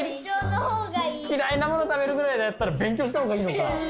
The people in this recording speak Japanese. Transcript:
嫌いなもの食べるぐらいだったら勉強したほうがいいのか。